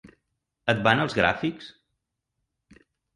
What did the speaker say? Et van els gràfics?